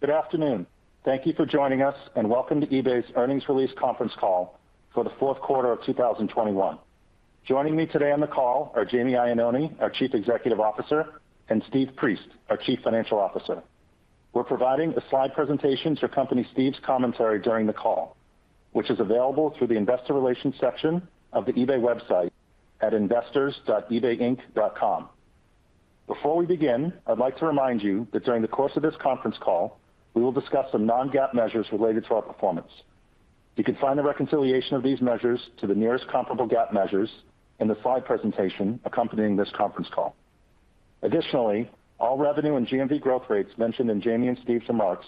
Good afternoon. Thank you for joining us, and welcome to eBay's earnings release conference call for the fourth quarter of 2021. Joining me today on the call are Jamie Iannone, our Chief Executive Officer, and Steve Priest, our Chief Financial Officer. We're providing a slide presentation to accompany Steve's commentary during the call, which is available through the investor relations section of the eBay website at investors.ebayinc.com. Before we begin, I'd like to remind you that during the course of this conference call, we will discuss some non-GAAP measures related to our performance. You can find the reconciliation of these measures to the nearest comparable GAAP measures in the slide presentation accompanying this conference call. Additionally, all revenue and GMV growth rates mentioned in Jamie and Steve's remarks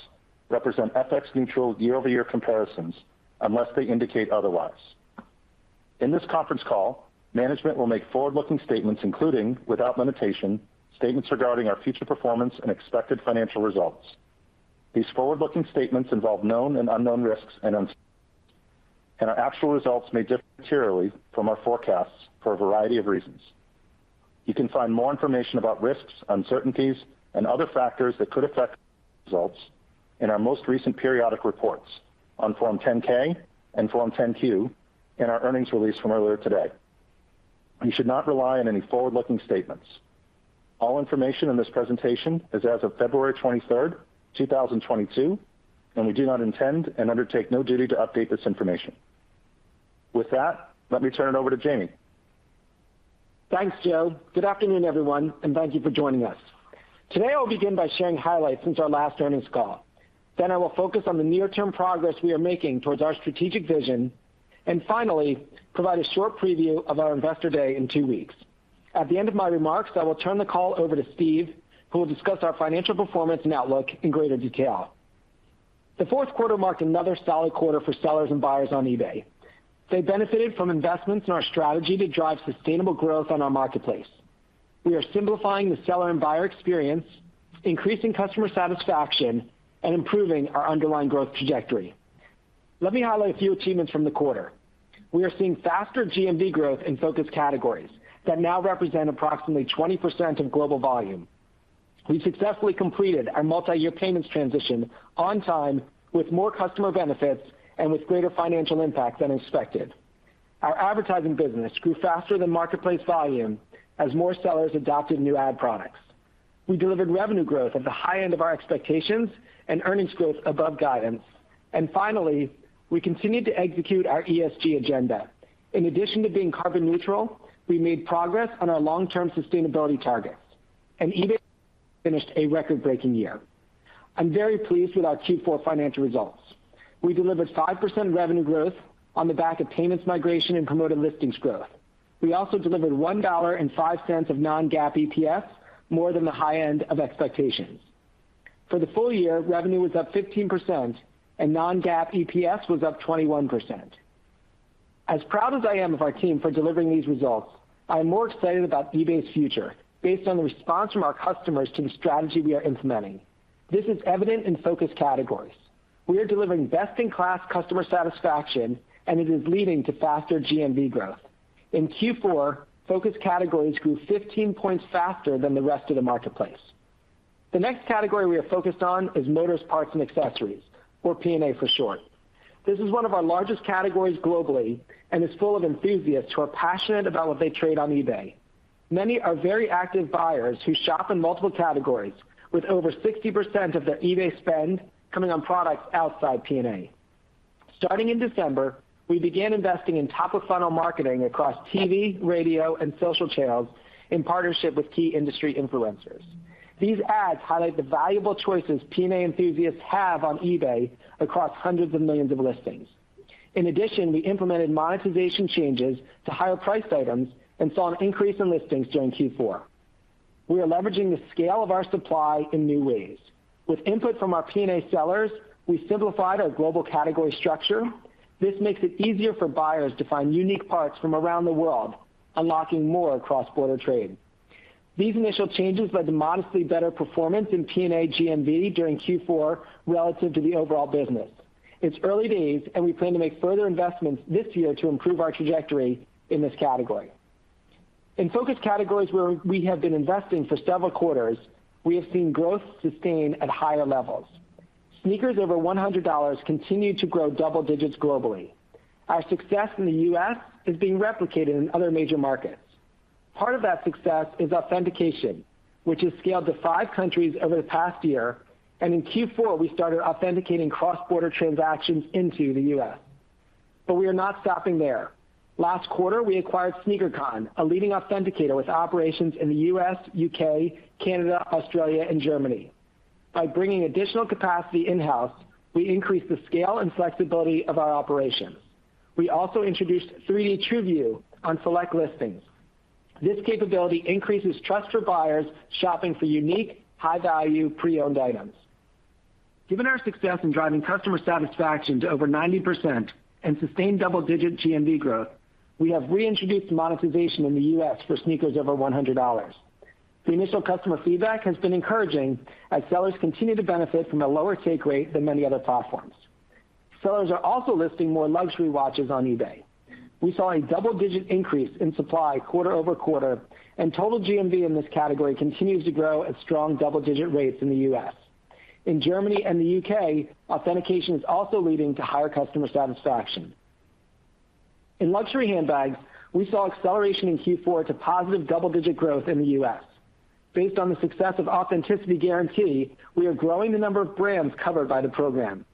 represent FX neutral year-over-year comparisons unless they indicate otherwise. In this conference call, management will make forward-looking statements, including, without limitation, statements regarding our future performance and expected financial results. These forward-looking statements involve known and unknown risks and uncertainties, and our actual results may differ materially from our forecasts for a variety of reasons. You can find more information about risks, uncertainties, and other factors that could affect results in our most recent periodic reports on Form 10-K and Form 10-Q in our earnings release from earlier today. You should not rely on any forward-looking statements. All information in this presentation is as of February 23d, 2022, and we do not intend and undertake no duty to update this information. With that, let me turn it over to Jamie. Thanks, Joe. Good afternoon, everyone, and thank you for joining us. Today I'll begin by sharing highlights since our last earnings call. I will focus on the near-term progress we are making towards our strategic vision, and finally provide a short preview of our investor day in two weeks. At the end of my remarks, I will turn the call over to Steve, who will discuss our financial performance and outlook in greater detail. The fourth quarter marked another solid quarter for sellers and buyers on eBay. They benefited from investments in our strategy to drive sustainable growth on our marketplace. We are simplifying the seller and buyer experience, increasing customer satisfaction, and improving our underlying growth trajectory. Let me highlight a few achievements from the quarter. We are seeing faster GMV growth in focus categories that now represent approximately 20% of global volume. We successfully completed our multi-year payments transition on time with more customer benefits and with greater financial impact than expected. Our advertising business grew faster than marketplace volume as more sellers adopted new ad products. We delivered revenue growth at the high end of our expectations and earnings growth above guidance. Finally, we continued to execute our ESG agenda. In addition to being carbon neutral, we made progress on our long-term sustainability targets. eBay finished a record-breaking year. I'm very pleased with our Q4 financial results. We delivered 5% revenue growth on the back of payments migration and Promoted Listings growth. We also delivered $1.05 of non-GAAP EPS, more than the high end of expectations. For the full year, revenue was up 15% and non-GAAP EPS was up 21%. As proud as I am of our team for delivering these results, I am more excited about eBay's future based on the response from our customers to the strategy we are implementing. This is evident in focus categories. We are delivering best-in-class customer satisfaction, and it is leading to faster GMV growth. In Q4, focus categories grew 15 points faster than the rest of the marketplace. The next category we are focused on is motors, parts, and accessories, or P&A for short. This is one of our largest categories globally and is full of enthusiasts who are passionate about what they trade on eBay. Many are very active buyers who shop in multiple categories with over 60% of their eBay spend coming on products outside P&A. Starting in December, we began investing in top-of-funnel marketing across TV, radio, and social channels in partnership with key industry influencers. These ads highlight the valuable choices P&A enthusiasts have on eBay across hundreds of millions of listings. In addition, we implemented monetization changes to higher priced items and saw an increase in listings during Q4. We are leveraging the scale of our supply in new ways. With input from our P&A sellers, we simplified our global category structure. This makes it easier for buyers to find unique parts from around the world, unlocking more cross-border trade. These initial changes led to modestly better performance in P&A GMV during Q4 relative to the overall business. It's early days, and we plan to make further investments this year to improve our trajectory in this category. In focus categories where we have been investing for several quarters, we have seen growth sustain at higher levels. Sneakers over $100 continue to grow double digits globally. Our success in the U.S. is being replicated in other major markets. Part of that success is authentication, which has scaled to five countries over the past year, and in Q4 we started authenticating cross-border transactions into the U.S. We are not stopping there. Last quarter, we acquired Sneaker Con, a leading authenticator with operations in the U.S., U.K., Canada, Australia, and Germany. By bringing additional capacity in-house, we increased the scale and flexibility of our operations. We also introduced 3D True View on select listings. This capability increases trust for buyers shopping for unique, high-value pre-owned items. Given our success in driving customer satisfaction to over 90% and sustained double-digit GMV growth, we have reintroduced monetization in the U.S. for sneakers over $100. The initial customer feedback has been encouraging as sellers continue to benefit from a lower take rate than many other platforms. Sellers are also listing more luxury watches on eBay. We saw a double-digit increase in supply quarter-over-quarter, and total GMV in this category continues to grow at strong double-digit rates in the U.S. In Germany and the U.K., authentication is also leading to higher customer satisfaction. In luxury handbags, we saw acceleration in Q4 to positive double-digit growth in the U.S. Based on the success of Authenticity Guarantee, we are growing the number of brands covered by the program.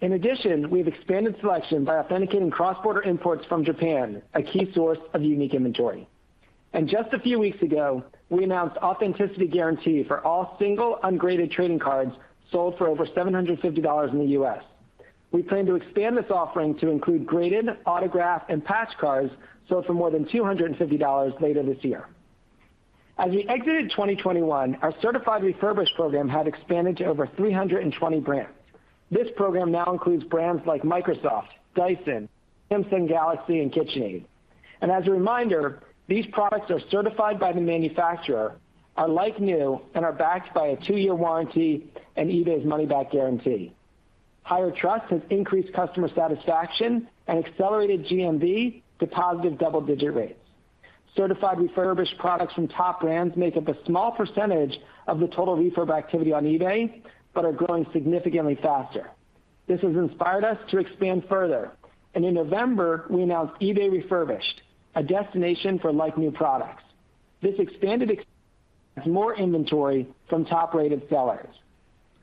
In addition, we've expanded selection by authenticating cross-border imports from Japan, a key source of unique inventory. Just a few weeks ago, we announced Authenticity Guarantee for all single ungraded trading cards sold for over $750 in the U.S. We plan to expand this offering to include graded, autographed, and patch cards sold for more than $250 later this year. As we exited 2021, our Certified Refurbished program had expanded to over 320 brands. This program now includes brands like Microsoft, Dyson, Samsung Galaxy, and KitchenAid. As a reminder, these products are certified by the manufacturer, are like new, and are backed by a two-year warranty and eBay's money back guarantee. Higher trust has increased customer satisfaction and accelerated GMV to positive double-digit rates. Certified Refurbished products from top brands make up a small percentage of the total refurb activity on eBay, but are growing significantly faster. This has inspired us to expand further, and in November, we announced eBay Refurbished, a destination for like-new products. This expanded more inventory from top-rated sellers.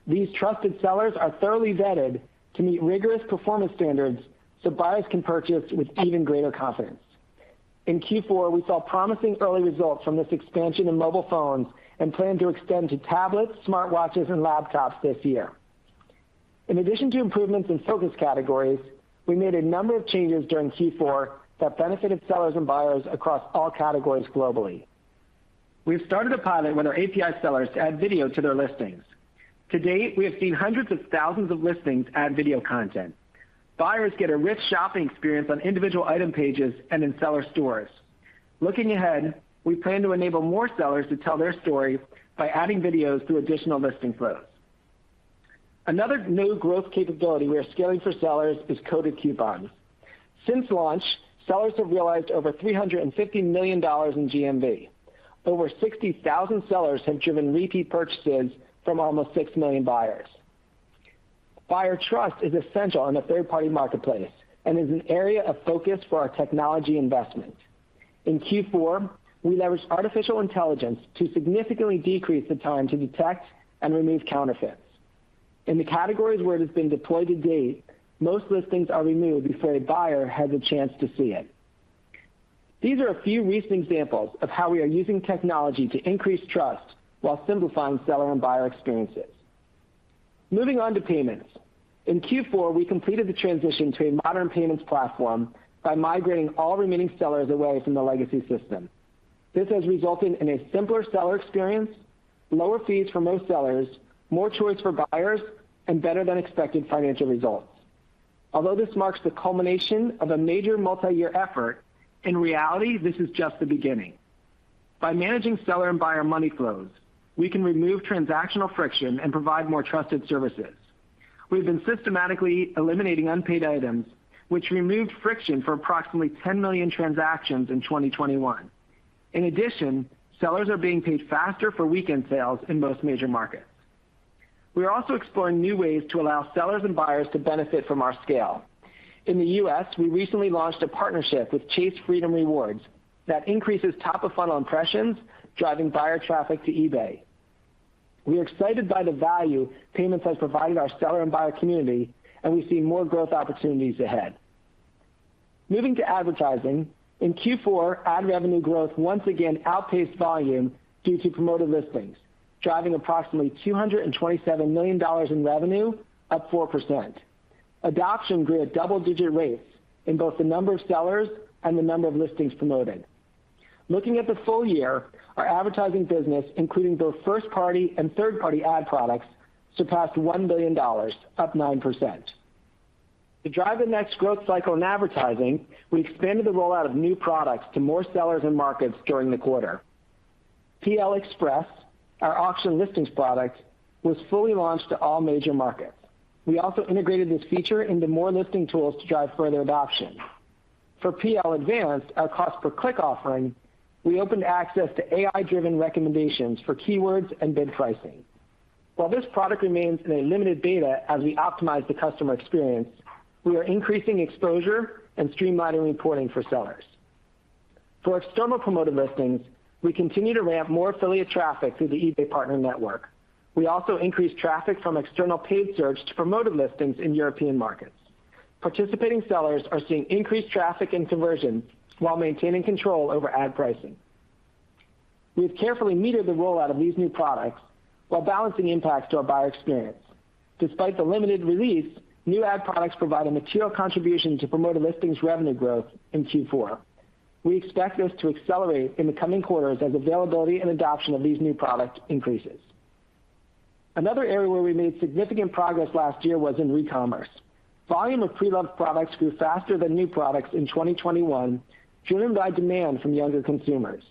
These trusted sellers are thoroughly vetted to meet rigorous performance standards so buyers can purchase with even greater confidence. In Q4, we saw promising early results from this expansion in mobile phones and plan to extend to tablets, smartwatches, and laptops this year. In addition to improvements in focus categories, we made a number of changes during Q4 that benefited sellers and buyers across all categories globally. We've started a pilot with our API sellers to add video to their listings. To date, we have seen hundreds of thousands of listings add video content. Buyers get a rich shopping experience on individual item pages and in seller stores. Looking ahead, we plan to enable more sellers to tell their story by adding videos through additional listing flows. Another new growth capability we are scaling for sellers is Coded Coupons. Since launch, sellers have realized over $350 million in GMV. Over 60,000 sellers have driven repeat purchases from almost 6 million buyers. Buyer trust is essential in a third-party marketplace and is an area of focus for our technology investment. In Q4, we leveraged artificial intelligence to significantly decrease the time to detect and remove counterfeits. In the categories where it has been deployed to date, most listings are removed before a buyer has a chance to see it. These are a few recent examples of how we are using technology to increase trust while simplifying seller and buyer experiences. Moving on to payments. In Q4, we completed the transition to a modern payments platform by migrating all remaining sellers away from the legacy system. This has resulted in a simpler seller experience, lower fees for most sellers, more choice for buyers, and better than expected financial results. Although this marks the culmination of a major multi-year effort, in reality, this is just the beginning. By managing seller and buyer money flows, we can remove transactional friction and provide more trusted services. We've been systematically eliminating unpaid items, which removed friction for approximately 10 million transactions in 2021. In addition, sellers are being paid faster for weekend sales in most major markets. We are also exploring new ways to allow sellers and buyers to benefit from our scale. In the U.S., we recently launched a partnership with Chase Freedom Rewards that increases top-of-funnel impressions, driving buyer traffic to eBay. We are excited by the value payments has provided our seller and buyer community, and we see more growth opportunities ahead. Moving to advertising. In Q4, ad revenue growth once again outpaced volume due to Promoted Listings, driving approximately $227 million in revenue, up 4%. Adoption grew at double-digit rates in both the number of sellers and the number of listings promoted. Looking at the full year, our advertising business, including both first-party and third-party ad products, surpassed $1 billion, up 9%. To drive the next growth cycle in advertising, we expanded the rollout of new products to more sellers and markets during the quarter. PL Express, our auction listings product, was fully launched to all major markets. We also integrated this feature into more listing tools to drive further adoption. For PL Advanced, our cost per click offering, we opened access to AI-driven recommendations for keywords and bid pricing. While this product remains in a limited beta as we optimize the customer experience, we are increasing exposure and streamlining reporting for sellers. For external Promoted Listings, we continue to ramp more affiliate traffic through the eBay Partner Network. We also increased traffic from external paid search to Promoted Listings in European markets. Participating sellers are seeing increased traffic and conversion while maintaining control over ad pricing. We've carefully metered the rollout of these new products while balancing impact to our buyer experience. Despite the limited release, new ad products provide a material contribution to Promoted Listings revenue growth in Q4. We expect this to accelerate in the coming quarters as availability and adoption of these new products increases. Another area where we made significant progress last year was in Recommerce. Volume of pre-loved products grew faster than new products in 2021, driven by demand from younger consumers.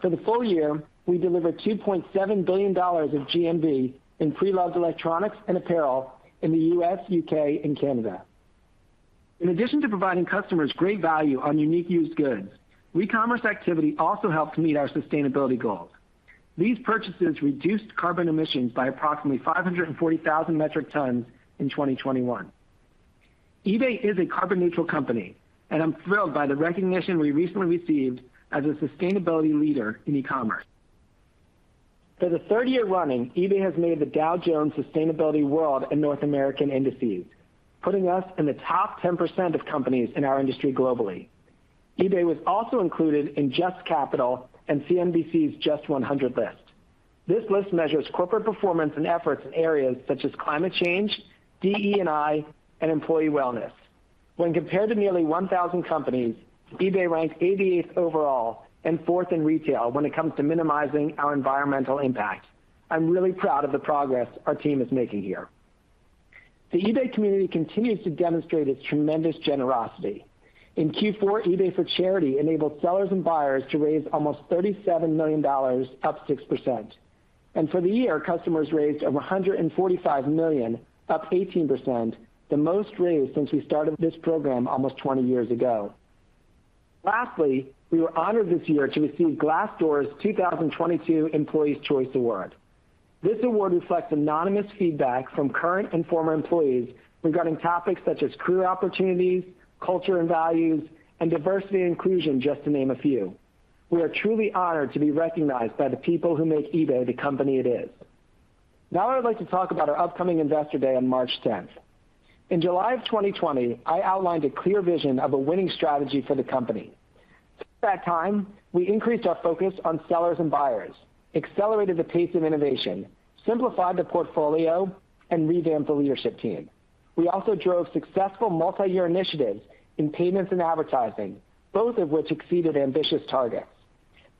For the full year, we delivered $2.7 billion of GMV in pre-loved electronics and apparel in the U.S., U.K., and Canada. In addition to providing customers great value on unique used goods, Recommerce activity also helped meet our sustainability goals. These purchases reduced carbon emissions by approximately 540,000 metric tons in 2021. eBay is a carbon neutral company, and I'm thrilled by the recognition we recently received as a sustainability leader in eCommerce. For the third year running, eBay has made the Dow Jones Sustainability World Index and North America Index, putting us in the top 10% of companies in our industry globally. eBay was also included in JUST Capital and CNBC's JUST 100 list. This list measures corporate performance and efforts in areas such as climate change, DE&I, and employee wellness. When compared to nearly 1,000 companies, eBay ranks 88th overall and 4th in retail when it comes to minimizing our environmental impact. I'm really proud of the progress our team is making here. The eBay community continues to demonstrate its tremendous generosity. In Q4, eBay for Charity enabled sellers and buyers to raise almost $37 million, up 6%. For the year, customers raised over $145 million, up 18%, the most raised since we started this program almost 20 years ago. Lastly, we were honored this year to receive Glassdoor's 2022 Employees' Choice Award. This award reflects anonymous feedback from current and former employees regarding topics such as career opportunities, culture and values, and diversity and inclusion, just to name a few. We are truly honored to be recognized by the people who make eBay the company it is. Now I would like to talk about our upcoming Investor Day on March 10th. In July of 2020, I outlined a clear vision of a winning strategy for the company. Since that time, we increased our focus on sellers and buyers, accelerated the pace of innovation, simplified the portfolio, and revamped the leadership team. We also drove successful multi-year initiatives in payments and advertising, both of which exceeded ambitious targets.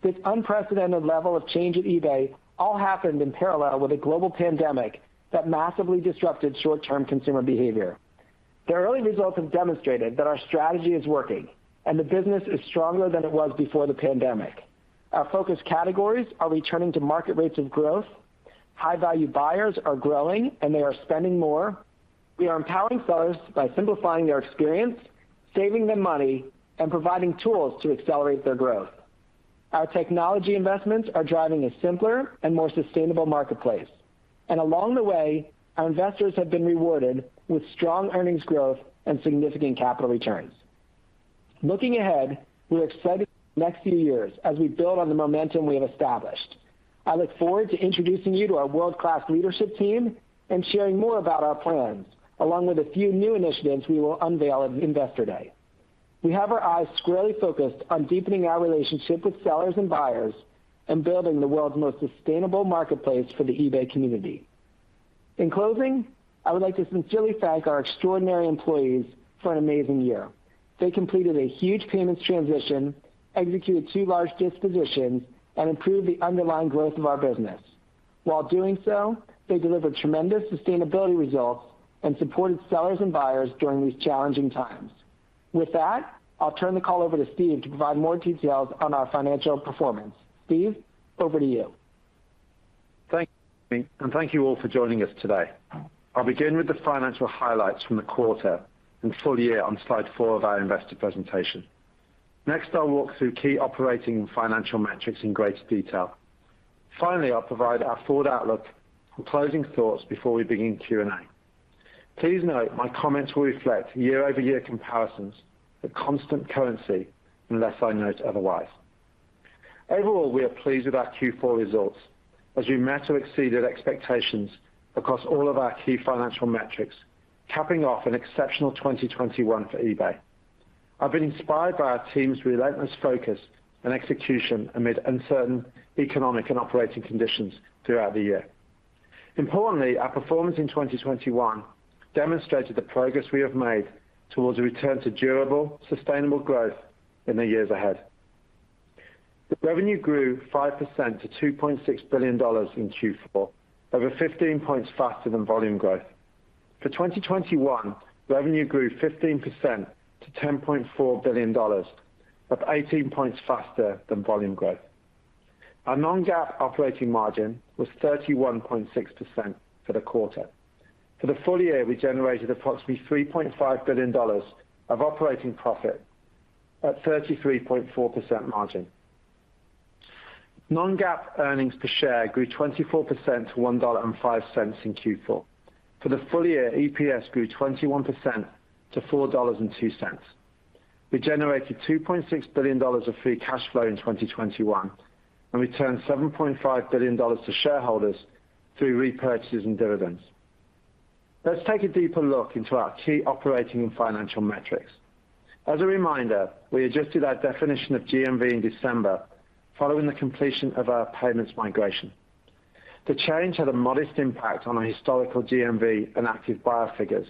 This unprecedented level of change at eBay all happened in parallel with a global pandemic that massively disrupted short-term consumer behavior. The early results have demonstrated that our strategy is working and the business is stronger than it was before the pandemic. Our focus categories are returning to market rates of growth. High-value buyers are growing, and they are spending more. We are empowering sellers by simplifying their experience, saving them money, and providing tools to accelerate their growth. Our technology investments are driving a simpler and more sustainable marketplace. Along the way, our investors have been rewarded with strong earnings growth and significant capital returns. Looking ahead, we're excited for the next few years as we build on the momentum we have established. I look forward to introducing you to our world-class leadership team and sharing more about our plans, along with a few new initiatives we will unveil at Investor Day. We have our eyes squarely focused on deepening our relationship with sellers and buyers and building the world's most sustainable marketplace for the eBay community. In closing, I would like to sincerely thank our extraordinary employees for an amazing year. They completed a huge payments transition, executed two large dispositions, and improved the underlying growth of our business. While doing so, they delivered tremendous sustainability results and supported sellers and buyers during these challenging times. With that, I'll turn the call over to Steve to provide more details on our financial performance. Steve, over to you. Thank you, Jamie, and thank you all for joining us today. I'll begin with the financial highlights from the quarter and full year on slide four of our investor presentation. Next, I'll walk through key operating and financial metrics in greater detail. Finally, I'll provide our forward outlook and closing thoughts before we begin Q&A. Please note my comments will reflect year-over-year comparisons at constant currency, unless I note otherwise. Overall, we are pleased with our Q4 results, as we met or exceeded expectations across all of our key financial metrics, capping off an exceptional 2021 for eBay. I've been inspired by our team's relentless focus and execution amid uncertain economic and operating conditions throughout the year. Importantly, our performance in 2021 demonstrated the progress we have made towards a return to durable, sustainable growth in the years ahead. Revenue grew 5% to $2.6 billion in Q4, over 15 points faster than volume growth. For 2021, revenue grew 15% to $10.4 billion, up 18 points faster than volume growth. Our non-GAAP operating margin was 31.6% for the quarter. For the full year, we generated approximately $3.5 billion of operating profit at 33.4% margin. Non-GAAP earnings per share grew 24% to $1.05 in Q4. For the full year, EPS grew 21% to $4.02. We generated $2.6 billion of free cash flow in 2021 and returned $7.5 billion to shareholders through repurchases and dividends. Let's take a deeper look into our key operating and financial metrics. As a reminder, we adjusted our definition of GMV in December following the completion of our payments migration. The change had a modest impact on our historical GMV and active buyer figures,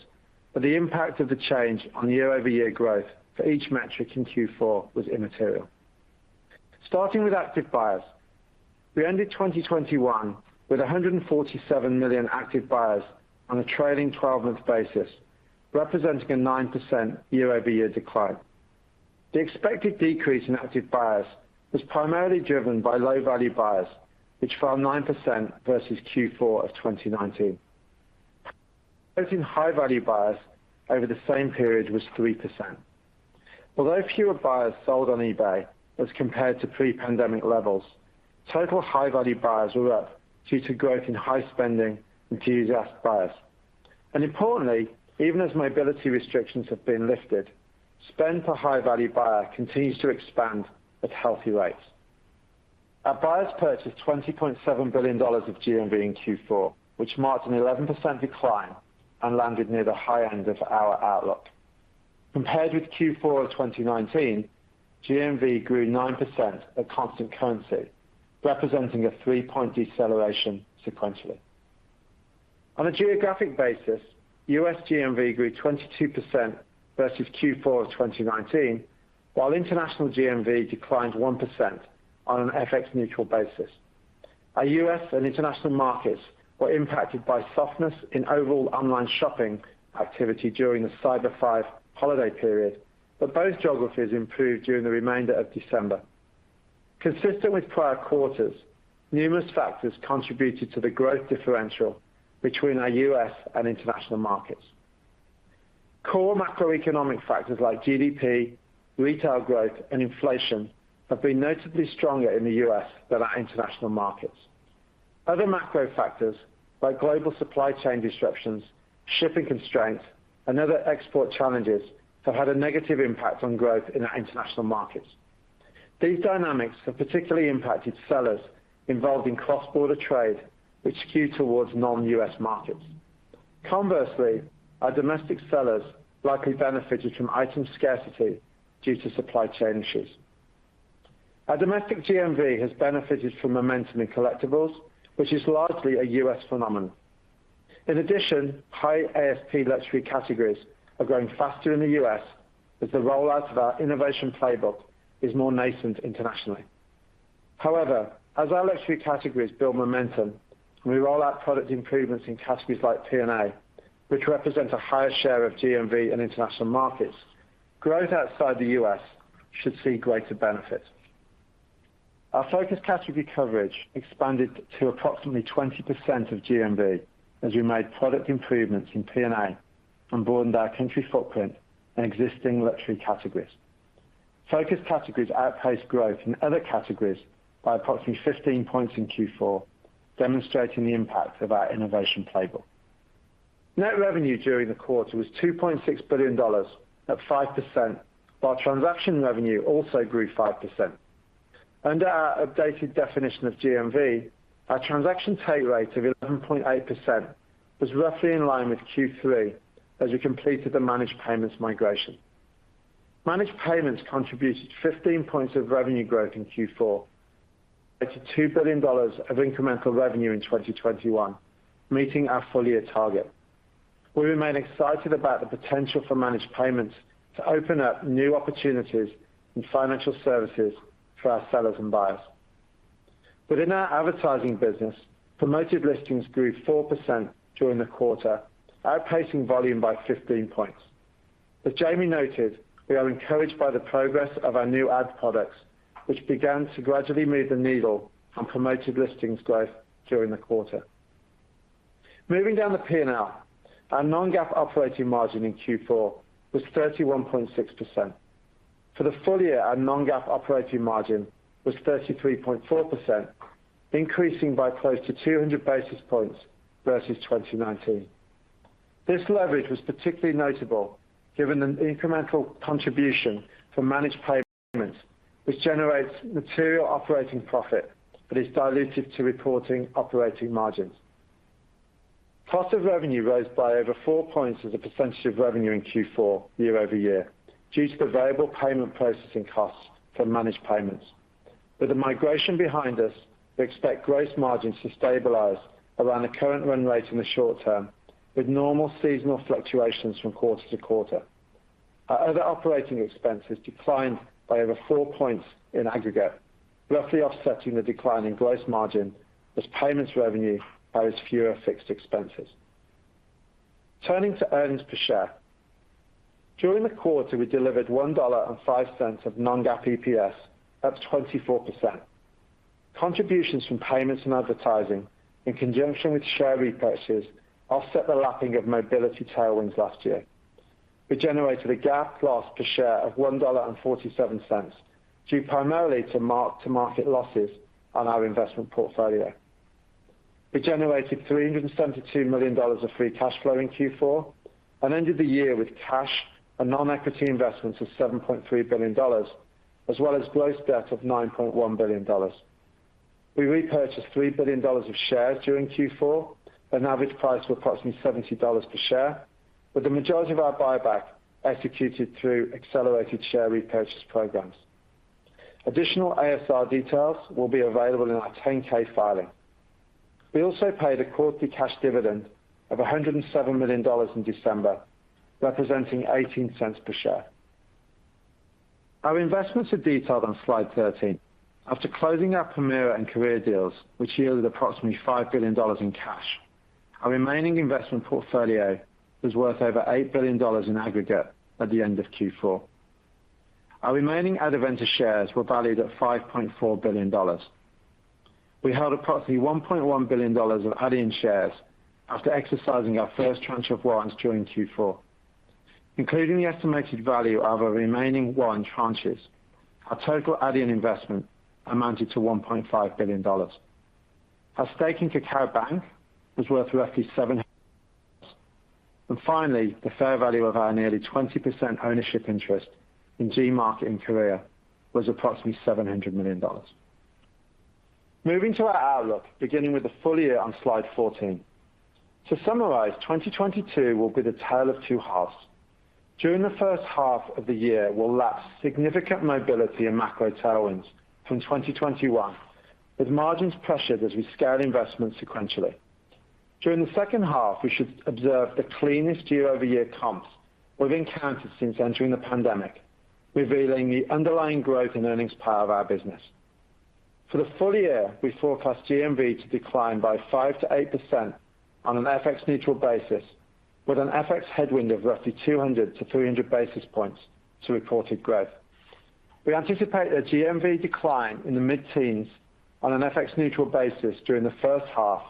but the impact of the change on year-over-year growth for each metric in Q4 was immaterial. Starting with active buyers. We ended 2021 with 147 million active buyers on a trailing 12-month basis, representing a 9% year-over-year decline. The expected decrease in active buyers was primarily driven by low-value buyers, which fell 9% versus Q4 of 2019. And in high-value buyers over the same period was 3%. Although fewer buyers sold on eBay as compared to pre-pandemic levels, total high-value buyers were up due to growth in high-spending enthusiastic buyers. Importantly, even as mobility restrictions have been lifted, spend per high-value buyer continues to expand at healthy rates. Our buyers purchased $20.7 billion of GMV in Q4, which marked an 11% decline and landed near the high end of our outlook. Compared with Q4 of 2019, GMV grew 9% at constant currency, representing a three-point deceleration sequentially. On a geographic basis, U.S. GMV grew 22% versus Q4 of 2019, while international GMV declined 1% on an FX neutral basis. Our U.S. and international markets were impacted by softness in overall online shopping activity during the Cyber Five holiday period, but both geographies improved during the remainder of December. Consistent with prior quarters, numerous factors contributed to the growth differential between our U.S. and international markets. Core macroeconomic factors like GDP, retail growth, and inflation have been notably stronger in the U.S. than our international markets. Other macro factors like global supply chain disruptions, shipping constraints, and other export challenges have had a negative impact on growth in our international markets. These dynamics have particularly impacted sellers involved in cross-border trade, which skew towards non-U.S. markets. Conversely, our domestic sellers likely benefited from item scarcity due to supply chain issues. Our domestic GMV has benefited from momentum in collectibles, which is largely a U.S. phenomenon. In addition, high ASP luxury categories are growing faster in the U.S. as the rollout of our innovation playbook is more nascent internationally. However, as our luxury categories build momentum, we roll out product improvements in categories like P&A, which represents a higher share of GMV in international markets. Growth outside the U.S. should see greater benefits. Our focus category coverage expanded to approximately 20% of GMV as we made product improvements in P&A and broadened our country footprint in existing luxury categories. Focus categories outpaced growth in other categories by approximately 15 points in Q4, demonstrating the impact of our innovation playbook. Net revenue during the quarter was $2.6 billion at 5%, while transaction revenue also grew 5%. Under our updated definition of GMV, our transaction take rate of 11.8% was roughly in line with Q3 as we completed the Managed Payments migration. Managed Payments contributed 15 points of revenue growth in Q4 to $2 billion of incremental revenue in 2021, meeting our full year target. We remain excited about the potential for Managed Payments to open up new opportunities in financial services for our sellers and buyers. Within our advertising business, Promoted Listings grew 4% during the quarter, outpacing volume by 15 points. As Jamie noted, we are encouraged by the progress of our new ad products, which began to gradually move the needle on Promoted Listings growth during the quarter. Moving down the P&L, our non-GAAP operating margin in Q4 was 31.6%. For the full year, our non-GAAP operating margin was 33.4%, increasing by close to 200 basis points versus 2019. This leverage was particularly notable given the incremental contribution for Managed Payments, which generates material operating profit, but is dilutive to reporting operating margins. Cost of revenue rose by over four points as a percentage of revenue in Q4 year-over-year due to the variable payment processing costs for Managed Payments. With the migration behind us, we expect gross margins to stabilize around the current run rate in the short term with normal seasonal fluctuations from quarter to quarter. Our other operating expenses declined by over four points in aggregate, roughly offsetting the decline in gross margin as payments revenue has fewer fixed expenses. Turning to earnings per share. During the quarter, we delivered $1.05 of non-GAAP EPS at 24%. Contributions from payments and advertising in conjunction with share repurchases offset the lapping of mobility tailwinds last year. We generated a GAAP loss per share of $1.47, due primarily to mark-to-market losses on our investment portfolio. We generated $372 million of free cash flow in Q4 and ended the year with cash and non-equity investments of $7.3 billion as well as gross debt of $9.1 billion. We repurchased $3 billion of shares during Q4, an average price of approximately $70 per share, with the majority of our buyback executed through accelerated share repurchase programs. Additional ASR details will be available in our 10-K filing. We also paid a quarterly cash dividend of $107 million in December, representing $0.18 per share. Our investments are detailed on slide 13. After closing our Permira and Adevinta deals, which yielded approximately $5 billion in cash, our remaining investment portfolio was worth over $8 billion in aggregate at the end of Q4. Our remaining Adevinta shares were valued at $5.4 billion. We held approximately $1.1 billion of Adyen shares after exercising our first tranche of warrants during Q4. Including the estimated value of our remaining warrant tranches, our total Adyen investment amounted to $1.5 billion. Our stake in KakaoBank was worth roughly $700 million. Finally, the fair value of our nearly 20% ownership interest in Gmarket in Korea was approximately $700 million. Moving to our outlook, beginning with the full year on slide 14. To summarize, 2022 will be the tale of two halves. During the first half of the year we'll lap significant mobility and macro tailwinds from 2021, with margins pressured as we scale investments sequentially. During the second half, we should observe the cleanest year-over-year comps we've encountered since entering the pandemic, revealing the underlying growth and earnings power of our business. For the full year, we forecast GMV to decline by 5%-8% on an FX neutral basis, with an FX headwind of roughly 200-300 basis points to reported growth. We anticipate a GMV decline in the mid-teens on an FX neutral basis during the first half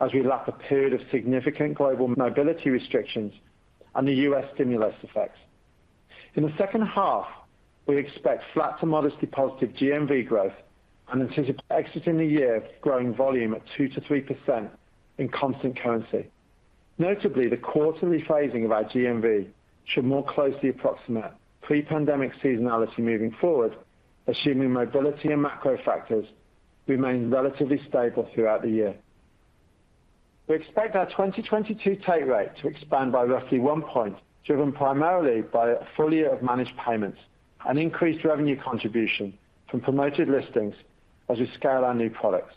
as we lap a period of significant global mobility restrictions and the U.S. stimulus effects. In the second half, we expect flat to modestly positive GMV growth and anticipate exiting the year growing volume at 2%-3% in constant currency. Notably, the quarterly phasing of our GMV should more closely approximate pre-pandemic seasonality moving forward, assuming mobility and macro factors remain relatively stable throughout the year. We expect our 2022 take rate to expand by roughly one point, driven primarily by a full year of Managed Payments and increased revenue contribution from Promoted Listings as we scale our new products.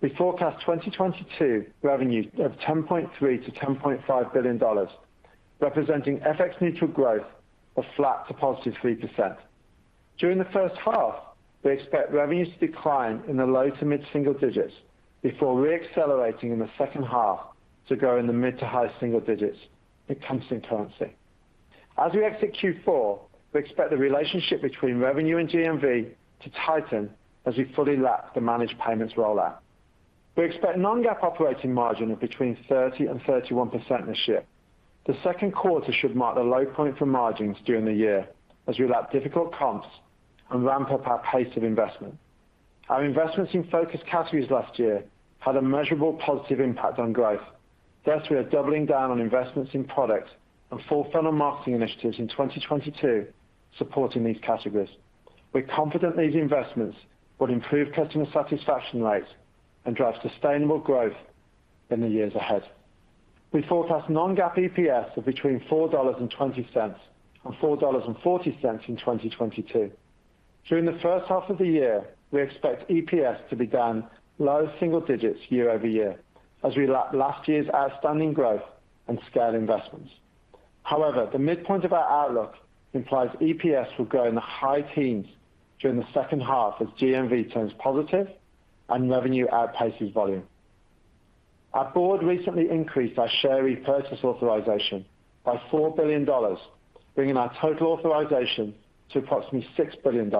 We forecast 2022 revenue of $10.3 billion-$10.5 billion, representing FX neutral growth of flat to +3%. During the first half, we expect revenues to decline in the low to mid-single digits before re-accelerating in the second half to grow in the mid to high single digits in constant currency. As we exit Q4, we expect the relationship between revenue and GMV to tighten as we fully lap the Managed Payments rollout. We expect non-GAAP operating margin of 30% and 31% this year. The second quarter should mark the low point for margins during the year as we lap difficult comps and ramp up our pace of investment. Our investments in focus categories last year had a measurable positive impact on growth. Thus, we are doubling down on investments in products and full funnel marketing initiatives in 2022, supporting these categories. We're confident these investments will improve customer satisfaction rates and drive sustainable growth in the years ahead. We forecast non-GAAP EPS of between $4.20 and $4.40 in 2022. During the first half of the year, we expect EPS to be down low single digits year-over-year as we lap last year's outstanding growth and scale investments. However, the midpoint of our outlook implies EPS will grow in the high teens during the second half as GMV turns positive and revenue outpaces volume. Our board recently increased our share repurchase authorization by $4 billion, bringing our total authorization to approximately $6 billion.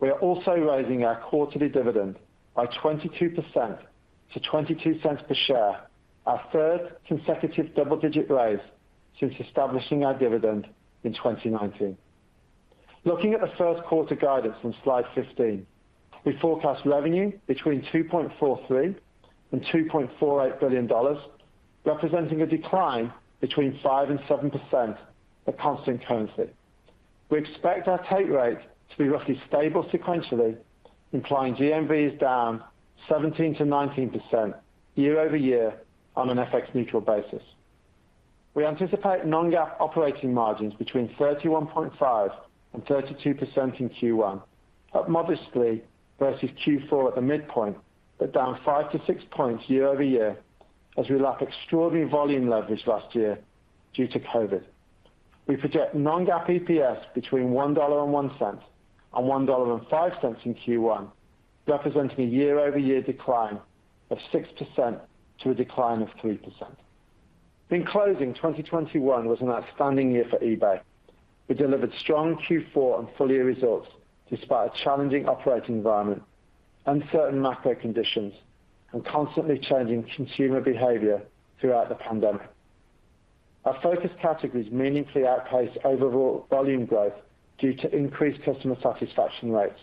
We are also raising our quarterly dividend by 22% to $0.22 per share, our third consecutive double-digit raise since establishing our dividend in 2019. Looking at the first quarter guidance on slide 15, we forecast revenue between $2.43 billion and $2.48 billion, representing a decline between 5% and 7% at constant currency. We expect our take rate to be roughly stable sequentially, implying GMV is down 17%-19% year-over-year on an FX-neutral basis. We anticipate non-GAAP operating margins between 31.5% and 32% in Q1, up modestly versus Q4 at the midpoint, but down five to six points year-over-year as we lap extraordinary volume leverage last year due to COVID. We project non-GAAP EPS between $1.01 and $1.05 in Q1, representing a year-over-year decline of 6% to a decline of 3%. In closing, 2021 was an outstanding year for eBay. We delivered strong Q4 and full year results despite a challenging operating environment, uncertain macro conditions, and constantly changing consumer behavior throughout the pandemic. Our focus categories meaningfully outpaced overall volume growth due to increased customer satisfaction rates,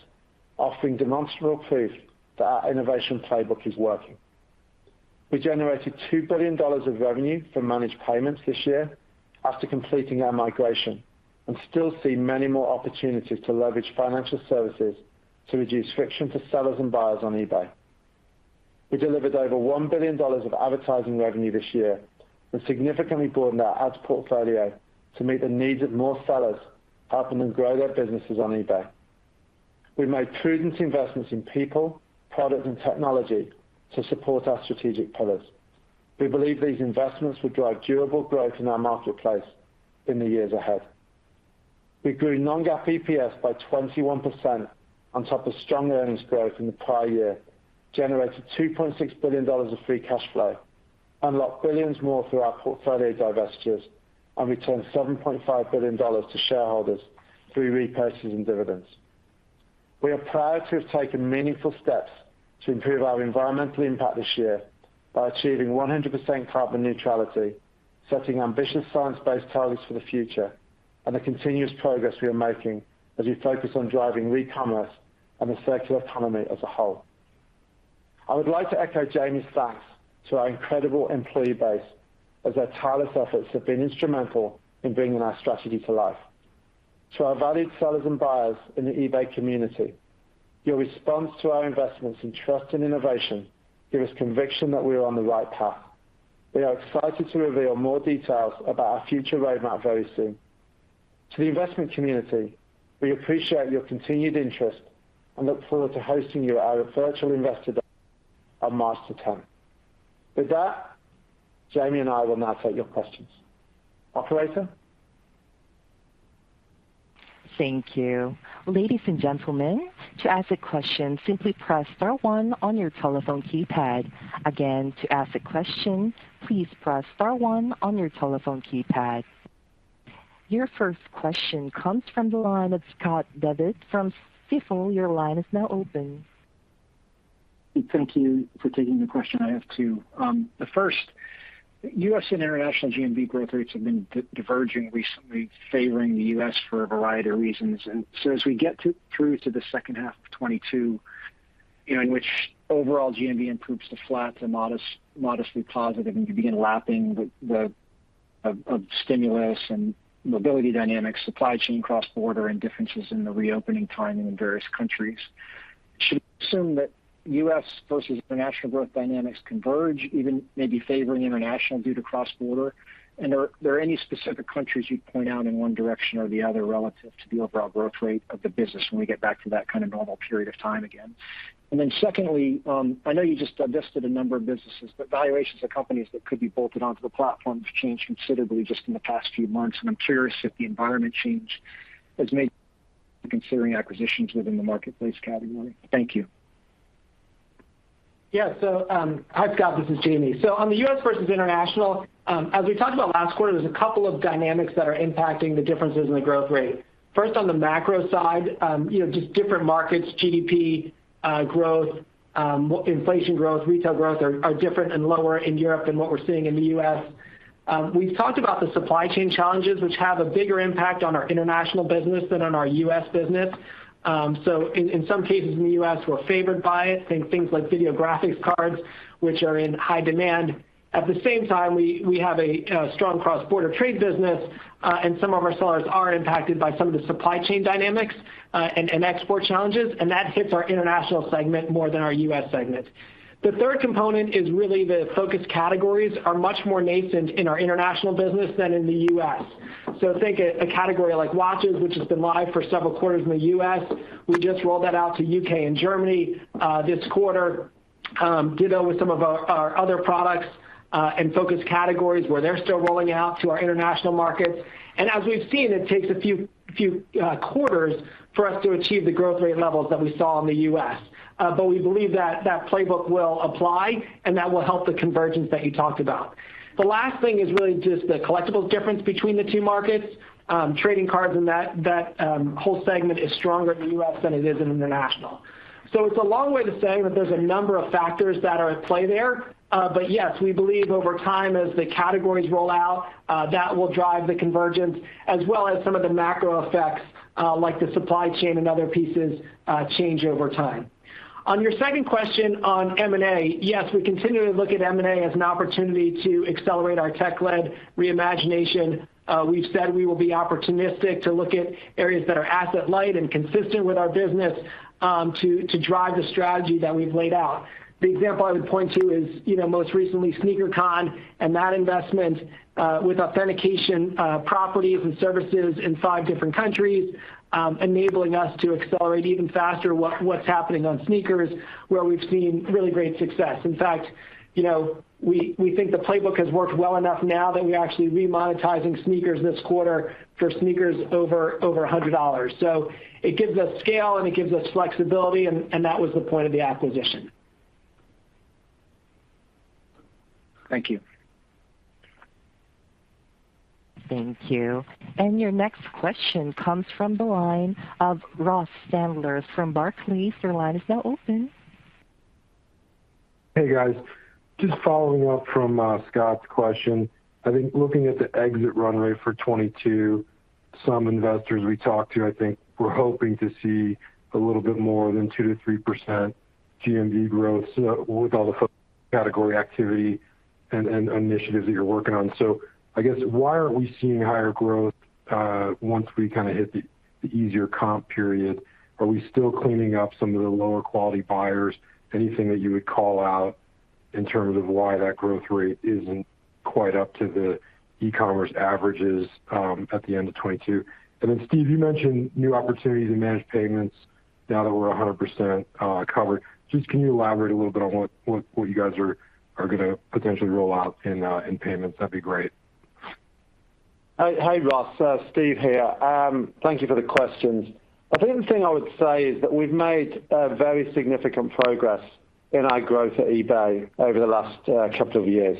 offering demonstrable proof that our innovation playbook is working. We generated $2 billion of revenue from Managed Payments this year after completing our migration and still see many more opportunities to leverage financial services to reduce friction for sellers and buyers on eBay. We delivered over $1 billion of advertising revenue this year and significantly broadened our ads portfolio to meet the needs of more sellers, helping them grow their businesses on eBay. We made prudent investments in people, product and technology to support our strategic pillars. We believe these investments will drive durable growth in our marketplace in the years ahead. We grew non-GAAP EPS by 21% on top of strong earnings growth in the prior year, generated $2.6 billion of free cash flow, unlocked billions more through our portfolio divestitures, and returned $7.5 billion to shareholders through repurchases and dividends. We are proud to have taken meaningful steps to improve our environmental impact this year by achieving 100% carbon neutrality, setting ambitious science-based targets for the future, and the continuous progress we are making as we focus on driving Recommerce and the circular economy as a whole. I would like to echo Jamie's thanks to our incredible employee base as their tireless efforts have been instrumental in bringing our strategy to life. To our valued sellers and buyers in the eBay community, your response to our investments in trust and innovation give us conviction that we are on the right path. We are excited to reveal more details about our future roadmap very soon. To the investment community, we appreciate your continued interest and look forward to hosting you at our virtual Investor Day on March 10th. With that, Jamie and I will now take your questions. Operator? Thank you. Ladies and gentle men, to ask a question simply press star-one on your telephone keypad. Again, to ask a question, please press star-one on your telephone keypad. Your first question comes from the line of Scott Devitt from Stifel. Your line is now open. Thank you for taking the question. I have two. The first, U.S. and international GMV growth rates have been diverging recently, favoring the U.S. for a variety of reasons. As we get through to the second half of 2022, you know, in which overall GMV improves to flat to modestly positive, and you begin lapping the of stimulus and mobility dynamics, supply chain cross-border and differences in the reopening timing in various countries. Should we assume that U.S. versus international growth dynamics converge, even maybe favoring international due to cross-border? Are there any specific countries you'd point out in one direction or the other relative to the overall growth rate of the business when we get back to that kind of normal period of time again? Secondly, I know you just divested a number of businesses, but valuations of companies that could be bolted onto the platform have changed considerably just in the past few months, and I'm curious if the environment change has made you considering acquisitions within the marketplace category. Thank you. Yeah. Hi, Scott, this is Jamie. On the U.S. versus international, as we talked about last quarter, there's a couple of dynamics that are impacting the differences in the growth rate. First, on the macro side, you know, just different markets, GDP growth, with inflation growth, retail growth are different and lower in Europe than what we're seeing in the U.S. We've talked about the supply chain challenges, which have a bigger impact on our international business than on our U.S. business. In some cases in the U.S., we're favored by it, think things like video graphics cards, which are in high demand. At the same time, we have a strong cross-border trade business, and some of our sellers are impacted by some of the supply chain dynamics, and export challenges, and that hits our international segment more than our U.S. segment. The third component is really the focused categories are much more nascent in our international business than in the U.S. Think a category like watches, which has been live for several quarters in the U.S. We just rolled that out to U.K. and Germany this quarter. Ditto with some of our other products and focus categories where they're still rolling out to our international markets. As we've seen, it takes a few quarters for us to achieve the growth rate levels that we saw in the U.S. We believe that playbook will apply, and that will help the convergence that you talked about. The last thing is really just the collectibles difference between the two markets. Trading cards and that whole segment is stronger in the U.S. than it is in international. It's a long way to say that there's a number of factors that are at play there. Yes, we believe over time, as the categories roll out, that will drive the convergence as well as some of the macro effects, like the supply chain and other pieces, change over time. On your second question on M&A, yes, we continue to look at M&A as an opportunity to accelerate our tech-led reimagination. We've said we will be opportunistic to look at areas that are asset light and consistent with our business, to drive the strategy that we've laid out. The example I would point to is, you know, most recently Sneaker Con and that investment, with authentication, properties and services in five different countries, enabling us to accelerate even faster what's happening on sneakers, where we've seen really great success. In fact, you know, we think the playbook has worked well enough now that we're actually remonetizing sneakers this quarter for sneakers over $100. It gives us scale, and it gives us flexibility, and that was the point of the acquisition. Thank you. Thank you. Your next question comes from the line of Ross Sandler from Barclays. Your line is now open. Hey, guys. Just following up from Scott's question. I think looking at the exit runway for 2022, some investors we talked to I think were hoping to see a little bit more than 2%, 3% GMV growth, with all the category activity and initiatives that you're working on. I guess why aren't we seeing higher growth, once we kind of hit the easier comp period? Are we still cleaning up some of the lower quality buyers? Anything that you would call outmin terms of why that growth rate isn't quite up to the e-commerce averages at the end of 2022. Steve, you mentioned new opportunities in Managed Payments now that we're 100% covered. Can you elaborate a little bit on what you guys are gonna potentially roll out in payments? That'd be great. Hi, Ross. Steve here. Thank you for the questions. I think the thing I would say is that we've made a very significant progress in our growth at eBay over the last couple of years.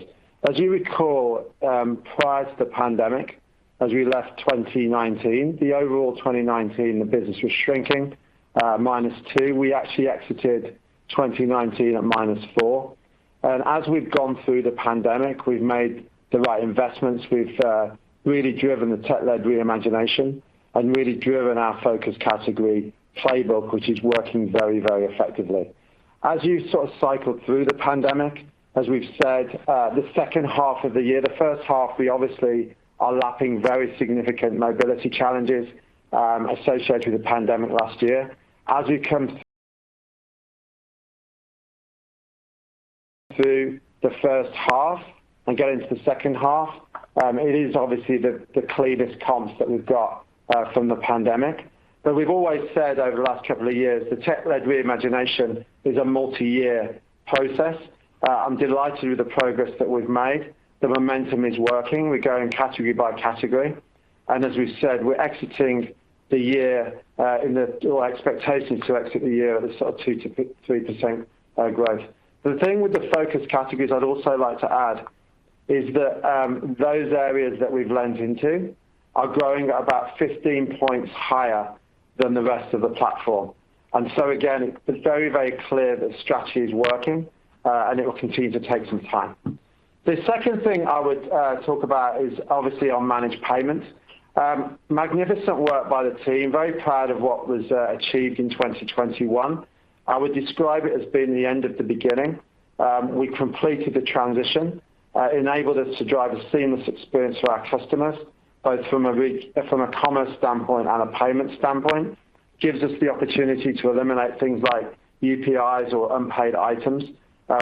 As you recall, prior to the pandemic, as we left 2019, the overall 2019, the business was shrinking -2%. We actually exited 2019 at -4%. As we've gone through the pandemic, we've made the right investments. We've really driven the tech-led reimagination and really driven our focus category playbook, which is working very, very effectively. As you sort of cycled through the pandemic, as we've said, the second half of the year, the first half, we obviously are lapping very significant mobility challenges associated with the pandemic last year. As you come through the first half and get into the second half, it is obviously the cleanest comps that we've got from the pandemic. We've always said over the last couple of years, the tech-led reimagination is a multi-year process. I'm delighted with the progress that we've made. The momentum is working. We're going category by category. And as we've said, we're exiting the year, or our expectation to exit the year at a sort of 2%-3% growth. The thing with the focus categories I'd also like to add is that, those areas that we've lent into are growing at about 15 points higher than the rest of the platform. Again, it's very, very clear the strategy is working, and it will continue to take some time. The second thing I would talk about is obviously on Managed Payments. Magnificent work by the team. Very proud of what was achieved in 2021. I would describe it as being the end of the beginning. We completed the transition, enabled us to drive a seamless experience for our customers, both from a commerce standpoint and a payment standpoint. Gives us the opportunity to eliminate things like UPIs or unpaid items,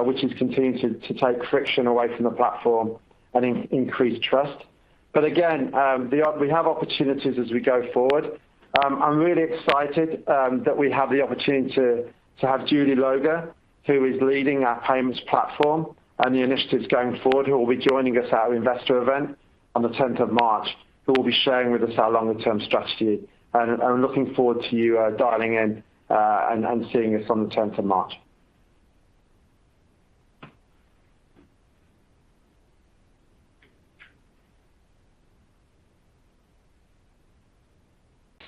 which has continued to take friction away from the platform and increase trust. Again, we have opportunities as we go forward. I'm really excited that we have the opportunity to have Julie Loeger, who is leading our payments platform and the initiatives going forward, who will be joining us at our investor event on the March 10th, who will be sharing with us our longer-term strategy. I'm looking forward to you dialing in and seeing us on the March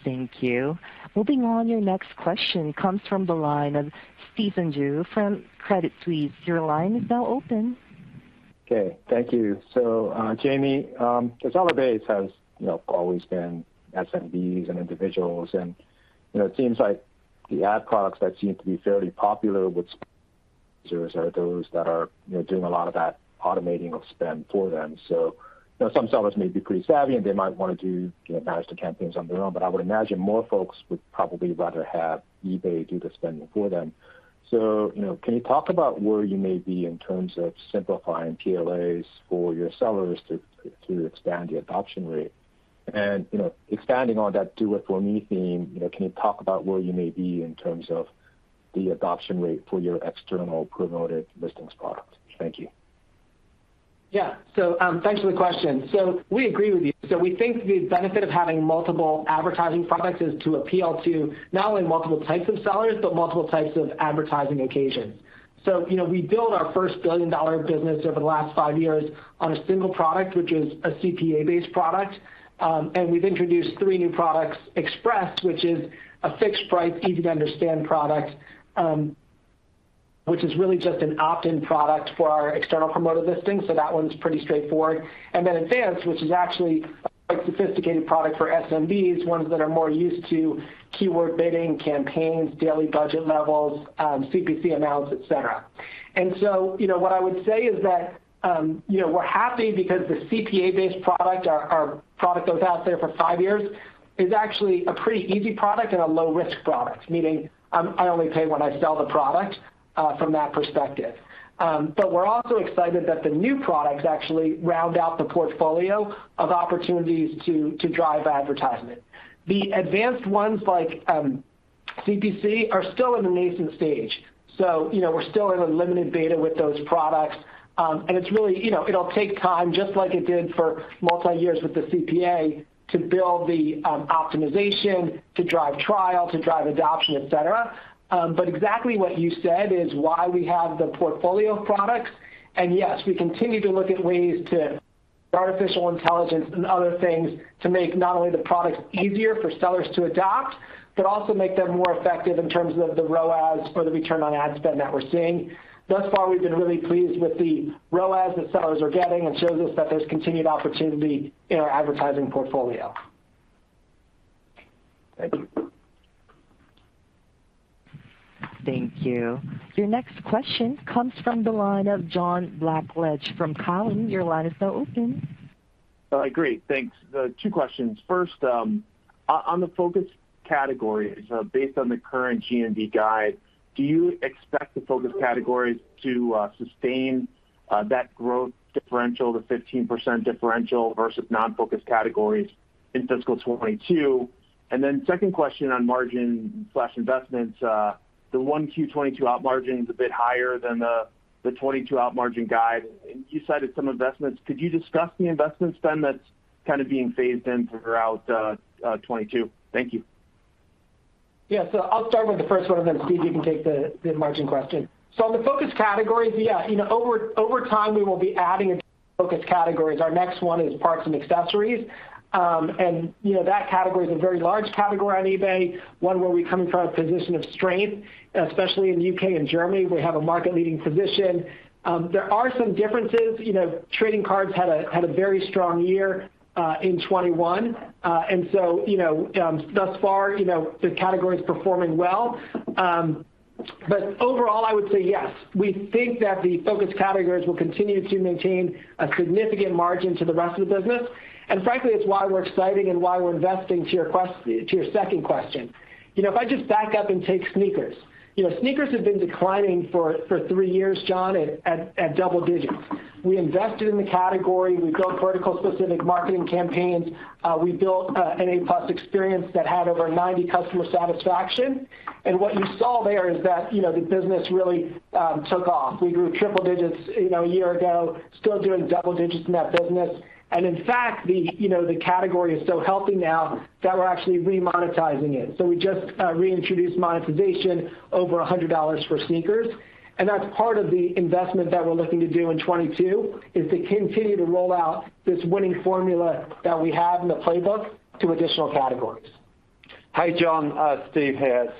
10th. Thank you. Moving on, your next question comes from the line of Stephen Ju from Credit Suisse. Your line is now open. Okay. Thank you. Jamie, the seller base has, you know, always been SMBs and individuals, and, you know, it seems like the ad products that seem to be fairly popular with those that are, you know, doing a lot of that automating of spend for them. Some sellers may be pretty savvy, and they might wanna do, you know, manage the campaigns on their own, but I would imagine more folks would probably rather have eBay do the spending for them. Can you talk about where you may be in terms of simplifying PLAs for your sellers to expand the adoption rate? Expanding on that do it for me theme, can you talk about where you may be in terms of the adoption rate for your external Promoted Listings product? Thank you. Yeah. Thanks for the question. We agree with you. We think the benefit of having multiple advertising products is to appeal to not only multiple types of sellers, but multiple types of advertising occasions. You know, we built our first $1 billion business over the last five years on a single product, which is a CPA-based product. We've introduced three new products. Express, which is a fixed price, easy to understand product, which is really just an opt-in product for our external Promoted Listings. That one's pretty straightforward. Then Advanced, which is actually a quite sophisticated product for SMBs, ones that are more used to keyword bidding, campaigns, daily budget levels, CPC amounts, etc. You know, what I would say is that, you know, we're happy because the CPA-based product, our product that was out there for five years, is actually a pretty easy product and a low-risk product, meaning, I only pay when I sell the product, from that perspective. We're also excited that the new products actually round out the portfolio of opportunities to drive advertisement. The advanced ones like CPC are still in the nascent stage. You know, we're still in a limited beta with those products. It's really, you know, it'll take time, just like it did for multi-years with the CPA to build the optimization, to drive trial, to drive adoption, etc. Exactly what you said is why we have the portfolio of products. Yes, we continue to look at ways to use artificial intelligence and other things to make not only the products easier for sellers to adopt, but also make them more effective in terms of the ROAS or the return on ad spend that we're seeing. Thus far, we've been really pleased with the ROAS that sellers are getting, which shows us that there's continued opportunity in our advertising portfolio. Thank you. Thank you. Your next question comes from the line of John Blackledge from Cowen. Your line is now open. Great. Thanks. Two questions. First, on the focus categories, based on the current GMV guide, do you expect the focus categories to sustain that growth differential to 15% differential versus non-focus categories in fiscal 2022? Second question on margin/investments. The Q1 2022 op margin is a bit higher than the 2022 op margin guide. You cited some investments. Could you discuss the investment spend that's kind of being phased in throughout 2022? Thank you. Yeah. I'll start with the first one and then, Steve, you can take the margin question. On the focus categories, yeah, you know, over time we will be adding focus categories. Our next one is parts and accessories. You know, that category is a very large category on eBay, one where we come from a position of strength, especially in the U.K. and Germany. We have a market-leading position. There are some differences. You know, trading cards had a very strong year in 2021. You know, thus far, you know, the category is performing well. Overall, I would say yes, we think that the focus categories will continue to maintain a significant margin to the rest of the business. Frankly, it's why we're exciting and why we're investing to your second question. You know, if I just back up and take sneakers. You know, sneakers have been declining for three years, John, at double digits. We invested in the category. We built vertical specific marketing campaigns. We built an A+ experience that had over 90% customer satisfaction. What you saw there is that, you know, the business really took off. We grew triple digits, you know, a year ago, still doing double digits in that business. In fact, the, you know, the category is so healthy now that we're actually remonetizing it. We just reintroduced monetization over $100 for sneakers. That's part of the investment that we're looking to do in 2022, is to continue to roll out this winning formula that we have in the playbook to additional categories. Hi, John. Steve here.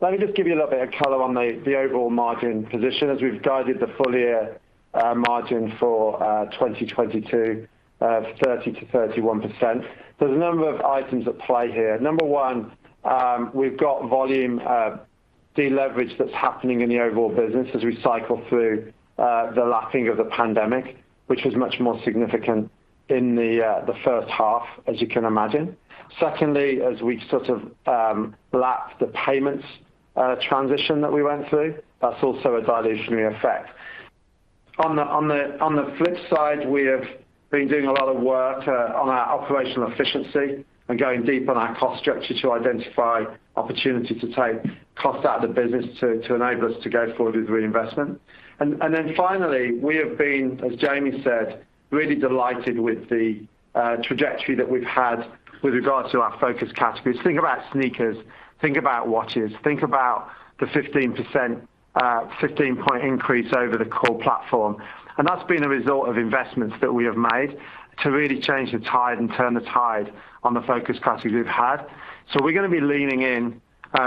Let me just give you a little bit of color on the overall margin position as we've guided the full year margin for 2022, 30%-31%. There are a number of items at play here. Number one, we've got volume deleverage that's happening in the overall business as we cycle through the lapping of the pandemic, which was much more significant in the first half, as you can imagine. Secondly, as we sort of lap the payments transition that we went through, that's also a dilutive effect. On the flip side, we have been doing a lot of work on our operational efficiency and going deep on our cost structure to identify opportunity to take costs out of the business to enable us to go forward with reinvestment. Then finally, we have been, as Jamie said, really delighted with the trajectory that we've had with regards to our focus categories. Think about sneakers, think about watches, think about the 15-point increase over the core platform. That's been a result of investments that we have made to really change the tide and turn the tide on the focus categories we've had. We're gonna be leaning in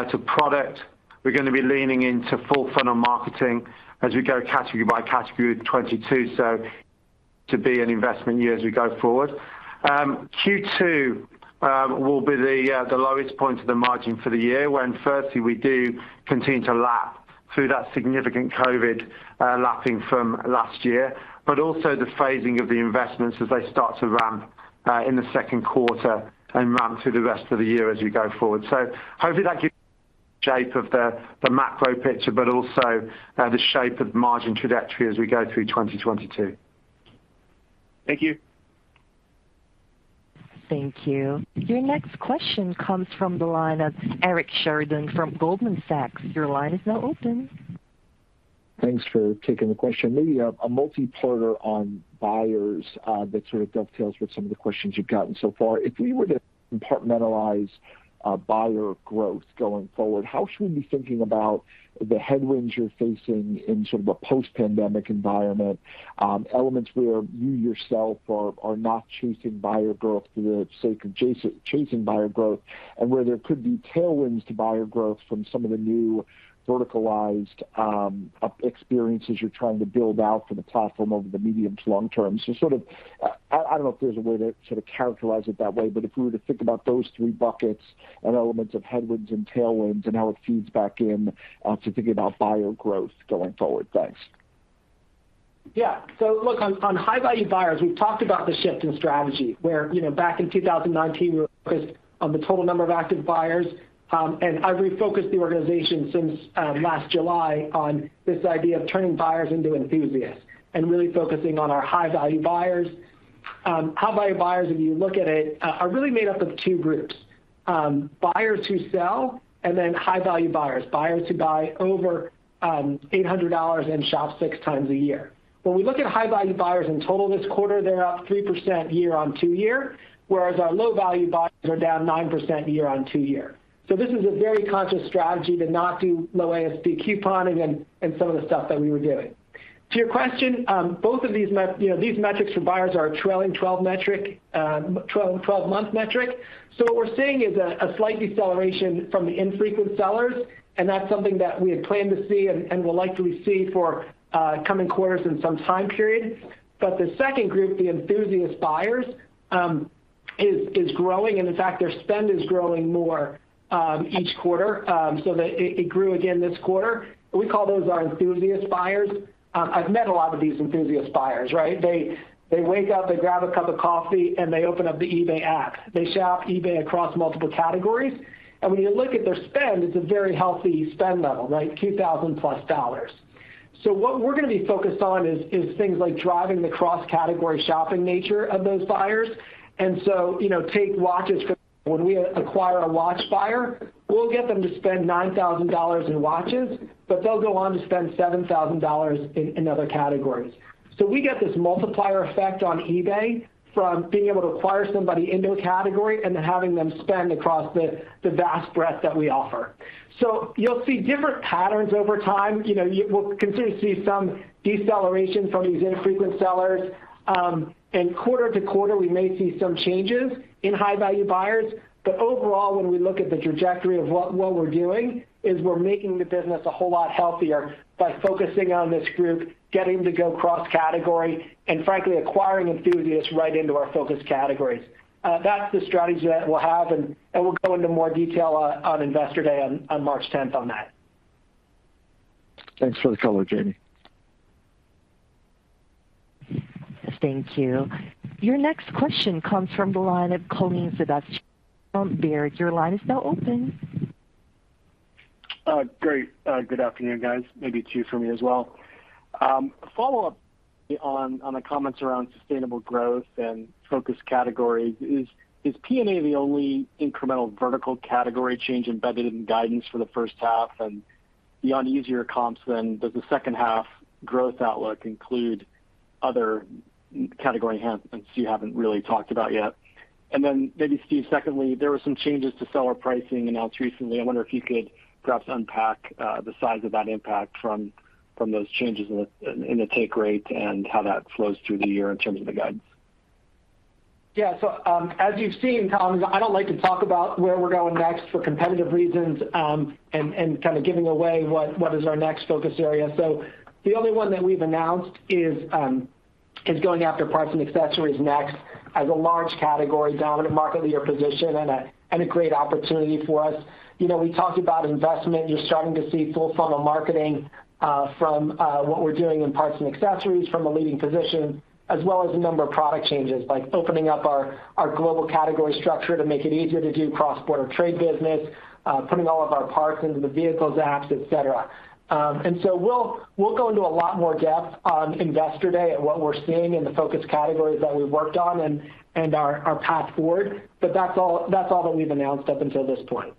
to product. We're gonna be leaning into full funnel marketing as we go category by category with 2022. It'll be an investment year as we go forward. Q2 will be the lowest point of the margin for the year when firstly, we do continue to lap through that significant COVID lapping from last year, but also the phasing of the investments as they start to ramp in the second quarter and ramp through the rest of the year as we go forward. Hopefully that gives shape to the macro picture, but also the shape of margin trajectory as we go through 2022. Thank you. Thank you. Your next question comes from the line of Eric Sheridan from Goldman Sachs. Your line is now open. Thanks for taking the question. Maybe a multi-parter on buyers that sort of dovetails with some of the questions you've gotten so far. If we were to compartmentalize buyer growth going forward, how should we be thinking about the headwinds you're facing in sort of a post-pandemic environment, elements where you yourself are not chasing buyer growth for the sake of chasing buyer growth, and where there could be tailwinds to buyer growth from some of the new verticalized experiences you're trying to build out for the platform over the medium to long-term? Sort of I don't know if there's a way to sort of characterize it that way, but if we were to think about those three buckets and elements of headwinds and tailwinds and how it feeds back in to thinking about buyer growth going forward. Thanks. Yeah. Look, on high value buyers, we've talked about the shift in strategy where, you know, back in 2019, we were focused on the total number of active buyers. I've refocused the organization since last July on this idea of turning buyers into enthusiasts and really focusing on our high value buyers. High value buyers, if you look at it, are really made up of two groups, buyers who sell and then high value buyers who buy over $800 and shop six times a year. When we look at high value buyers in total this quarter, they're up 3% year-over-year, whereas our low value buyers are down 9% year-over-year. This is a very conscious strategy to not do low ASP couponing and some of the stuff that we were doing. To your question, you know, both of these these metrics for buyers are a trailing 12-month metric. What we're seeing is a slight deceleration from the infrequent sellers, and that's something that we had planned to see and will likely see for coming quarters in some time period. The second group, the enthusiast buyers, is growing. In fact, their spend is growing more each quarter, so that it grew again this quarter. We call those our enthusiast buyers. I've met a lot of these enthusiast buyers, right? They wake up, they grab a cup of coffee, and they open up the eBay app. They shop eBay across multiple categories. When you look at their spend, it's a very healthy spend level, right, $2,000+. What we're gonna be focused on is things like driving the cross-category shopping nature of those buyers. You know, take watches for when we acquire a watch buyer, we'll get them to spend $9,000 in watches, but they'll go on to spend $7,000 in other categories. We get this multiplier effect on eBay from being able to acquire somebody into a category and then having them spend across the vast breadth that we offer. You'll see different patterns over time. You know, we'll continue to see some deceleration from these infrequent sellers. Quarter to quarter, we may see some changes in high-value buyers. Overall, when we look at the trajectory of what we're doing, is we're making the business a whole lot healthier by focusing on this group, getting to go cross-category, and frankly, acquiring enthusiasts right into our focus categories. That's the strategy that we'll have, and we'll go into more detail on Investor Day on March 10th on that. Thanks for the color, Jamie. Thank you. Your next question comes from the line of Colin Sebastian from Baird. Your line is now open. Great. Good afternoon, guys. Maybe two for me as well. A follow-up on the comments around sustainable growth and focus categories. Is P&A the only incremental vertical category change embedded in guidance for the first half and beyond easier comps? Does the second half growth outlook include other category enhancements you haven't really talked about yet? Maybe Steve, secondly, there were some changes to seller pricing announced recently. I wonder if you could perhaps unpack the size of that impact from those changes in the take rate and how that flows through the year in terms of the guidance. Yeah. As you've seen, Colin, I don't like to talk about where we're going next for competitive reasons, and kind of giving away what is our next focus area. The only one that we've announced is going after parts and accessories next as a large category, dominant market leader position and a great opportunity for us. You know, we talked about investment. You're starting to see full funnel marketing, from what we're doing in parts and accessories from a leading position, as well as a number of product changes, like opening up our global category structure to make it easier to do cross-border trade business, putting all of our parts into the vehicles apps, etc. We'll go into a lot more depth on Investor Day and what we're seeing in the focus categories that we've worked on and our path forward. That's all that we've announced up until this point.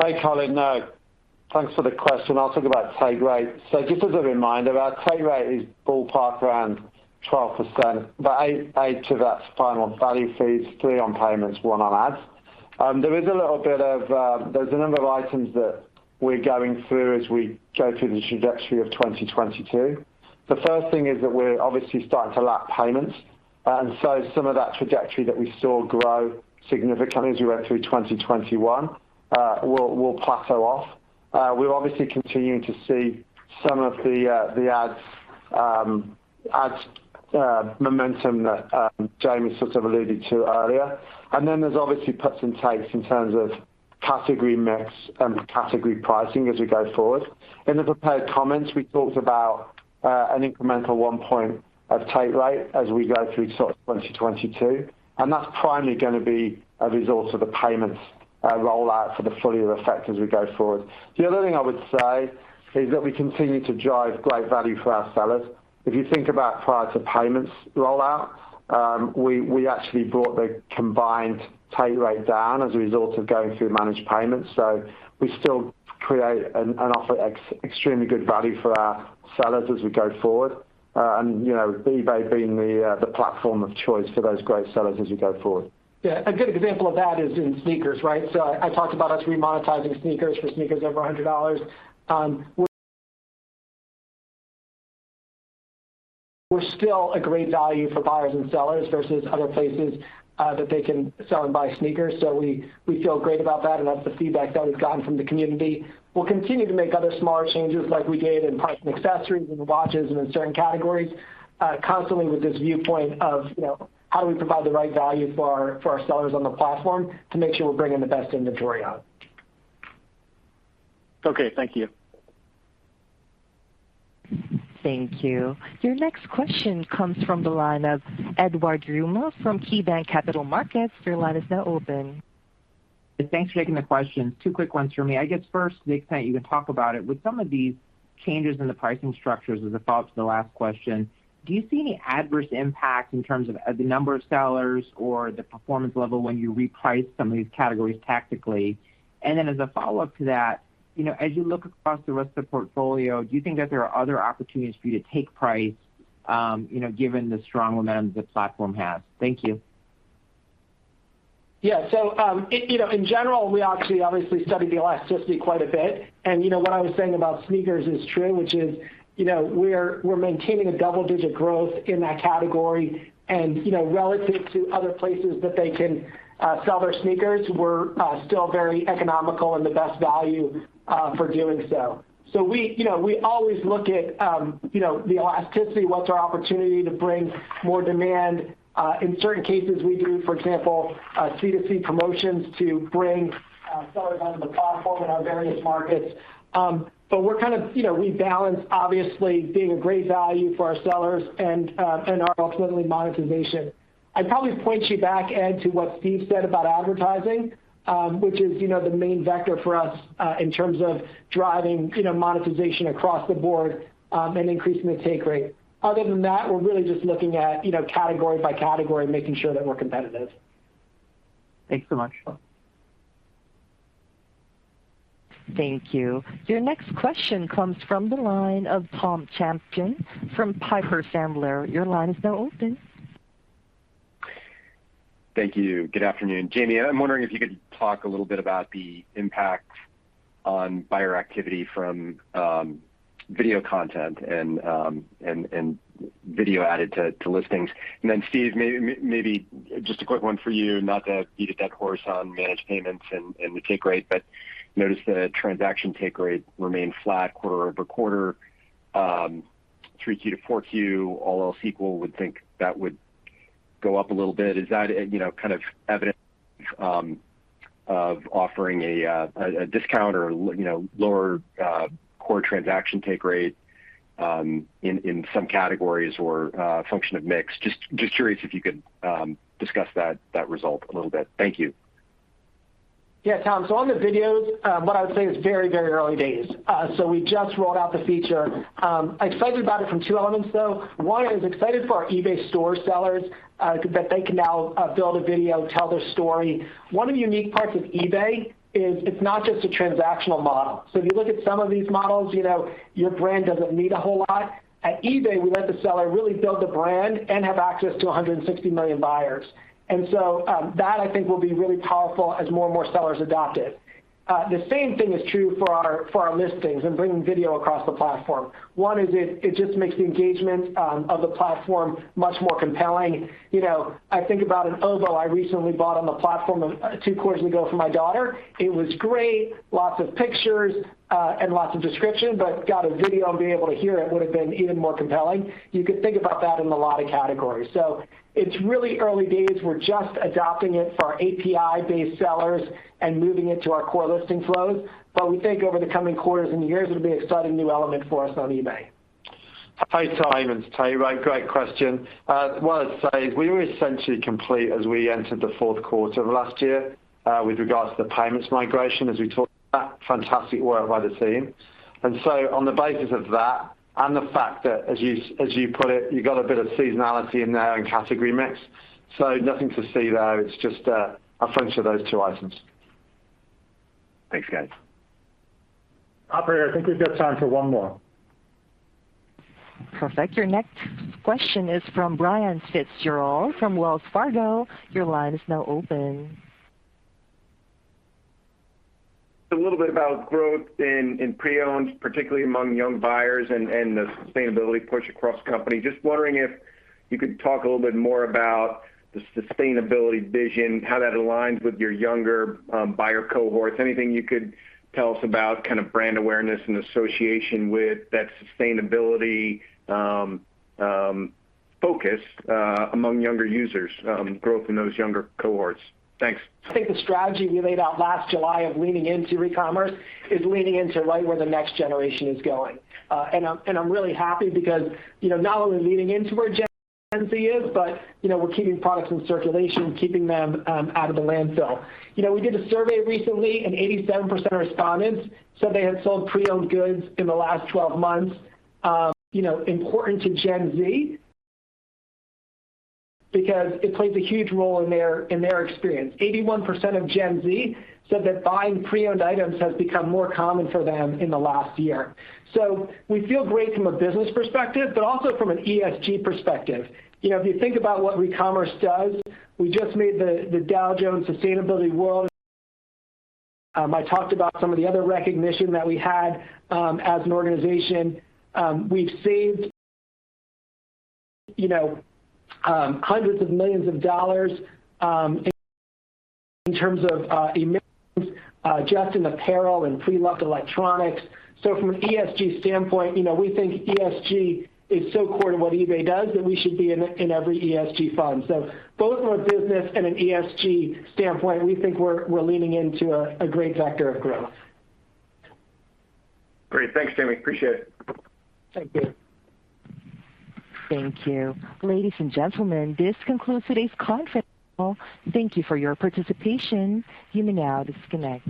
Hey, Colin. Thanks for the question. I'll talk about take rate. Just as a reminder, our take rate is ballpark around 12%, but 8%, that's final value fees, 3% on payments, 1% on ads. There's a number of items that we're going through as we go through the trajectory of 2022. The first thing is that we're obviously starting to lap payments. Some of that trajectory that we saw grow significantly as we went through 2021 will plateau off. We're obviously continuing to see some of the ads momentum that Jamie sort of alluded to earlier. Then there's obviously puts and takes in terms of category mix and category pricing as we go forward. In the prepared comments, we talked about an incremental one point of take rate as we go through 2022, and that's primarily gonna be a result of the Managed Payments rollout for the full year effect as we go forward. The other thing I would say is that we continue to drive great value for our sellers. If you think about prior to payments rollout, we actually brought the combined take rate down as a result of going through Managed Payments. We still create and offer extremely good value for our sellers as we go forward, and you know, eBay being the platform of choice for those great sellers as we go forward. Yeah. A good example of that is in sneakers, right? I talked about us remonetizing sneakers for sneakers over $100. We're still a great value for buyers and sellers versus other places that they can sell and buy sneakers. We feel great about that, and that's the feedback that we've gotten from the community. We'll continue to make other smaller changes like we did in parts and accessories and watches and in certain categories constantly with this viewpoint of, you know, how do we provide the right value for our sellers on the platform to make sure we're bringing the best inventory out. Okay. Thank you. Thank you. Your next question comes from the line of Ed Yruma from KeyBanc Capital Markets. Your line is now open. Thanks for taking the questions. Two quick ones for me. I guess first, to the extent you can talk about it, with some of these changes in the pricing structures as a follow-up to the last question, do you see any adverse impact in terms of the number of sellers or the performance level when you reprice some of these categories tactically? And then as a follow-up to that, you know, as you look across the rest of the portfolio, do you think that there are other opportunities for you to take price, you know, given the strong momentum the platform has? Thank you. Yeah. You know, in general, we obviously study the elasticity quite a bit. You know, what I was saying about sneakers is true, which is, you know, we're maintaining a double-digit growth in that category. You know, relative to other places that they can sell their sneakers, we're still very economical and the best value for doing so. We always look at, you know, the elasticity, what's our opportunity to bring more demand. In certain cases, we do, for example, C2C promotions to bring our sellers on the platform in our various markets. We're kind of, you know, rebalancing, obviously, being a great value for our sellers and our ultimate monetization. I'd probably point you back, Ed, to what Steve said about advertising, which is, you know, the main vector for us, in terms of driving, you know, monetization across the board, and increasing the take rate. Other than that, we're really just looking at, you know, category by category, making sure that we're competitive. Thanks so much. Thank you. Your next question comes from the line of Tom Champion from Piper Sandler. Your line is now open. Thank you. Good afternoon. Jamie, I'm wondering if you could talk a little bit about the impact on buyer activity from video content and video added to listings. Then Steve, maybe just a quick one for you, not to beat a dead horse on Managed Payments and the take rate, but noticed the transaction take rate remained flat quarter-over-quarter, 3Q to 4Q, all else equal would think that would go up a little bit. Is that, you know, kind of evidence of offering a discount or, you know, lower core transaction take rate in some categories or function of mix? Just curious if you could discuss that result a little bit. Thank you. Yeah. Tom, so on the videos, what I would say is very, very early days. So we just rolled out the feature. Excited about it from two elements, though. One is excited for our eBay store sellers, that they can now build a video, tell their story. One of the unique parts of eBay is it's not just a transactional model. So if you look at some of these models, you know, your brand doesn't mean a whole lot. At eBay, we let the seller really build a brand and have access to 160 million buyers. That I think will be really powerful as more and more sellers adopt it. The same thing is true for our listings and bringing video across the platform. It just makes the engagement of the platform much more compelling. You know, I think about an oboe I recently bought on the platform two quarters ago for my daughter. It was great. Lots of pictures and lots of description, but got a video and being able to hear it would have been even more compelling. You could think about that in a lot of categories. It's really early days. We're just adopting it for our API-based sellers and moving it to our core listing flows. We think over the coming quarters and years, it'll be an exciting new element for us on eBay. Hi, Tom, it's Steve. Great question. What I'd say is we were essentially complete as we entered the fourth quarter of last year, with regards to the payments migration, as we talked about. Fantastic work by the team. On the basis of that and the fact that, as you put it, you got a bit of seasonality in there and category mix. Nothing to see there. It's just a function of those two items. Thanks, guys. Operator, I think we've got time for one more. Perfect. Your next question is from Brian Fitzgerald from Wells Fargo. Your line is now open. A little bit about growth in pre-owned, particularly among young buyers and the sustainability push across company. Just wondering if you could talk a little bit more about the sustainability vision, how that aligns with your younger buyer cohorts. Anything you could tell us about kind of brand awareness and association with that sustainability focus among younger users, growth in those younger cohorts? Thanks. I think the strategy we laid out last July of leaning into Recommerce is leaning into right where the next generation is going. And I'm really happy because, you know, not only are we leaning into where Gen Z is, but, you know, we're keeping products in circulation, keeping them out of the landfill. You know, we did a survey recently, and 87% of respondents said they had sold pre-owned goods in the last 12 months. You know, important to Gen Z because it plays a huge role in their experience. 81% of Gen Z said that buying pre-owned items has become more common for them in the last year. We feel great from a business perspective, but also from an ESG perspective. You know, if you think about what e-commerce does, we just made the Dow Jones Sustainability World Index. I talked about some of the other recognition that we had as an organization. We've saved, you know, hundreds of millions of dollars in terms of emissions just in apparel and preloved electronics. From an ESG standpoint, you know, we think ESG is so core to what eBay does that we should be in every ESG fund. Both from a business and an ESG standpoint, we think we're leaning into a great vector of growth. Great. Thanks, Jamie. Appreciate it. Thank you. Thank you. Ladies and gentlemen, this concludes today's conference call. Thank you for your participation. You may now disconnect.